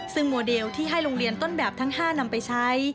ซึ่งโมเดลที่ให้โรงเรียนต้นแบบทั้ง๕นำไปใช้